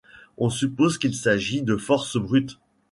On suppose qu'il s'agit de force brute.